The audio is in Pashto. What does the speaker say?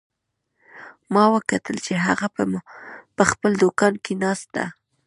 ما وکتل چې هغه په خپل دوکان کې ناست ده